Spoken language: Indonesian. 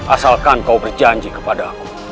asalkan kau berjanji kepada aku